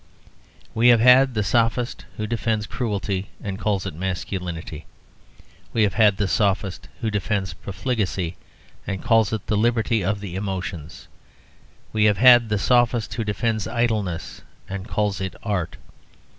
We have had the sophist who defends cruelty, and calls it masculinity. We have had the sophist who defends profligacy, and calls it the liberty of the emotions. We have had the sophist who defends idleness, and calls it art.